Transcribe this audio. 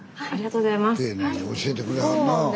スタジオ丁寧に教えてくれはるな。